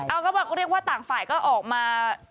เอาก็เรียกว่าต่างฝ่ายก็ออกมา